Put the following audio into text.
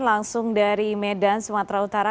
langsung dari medan sumatera utara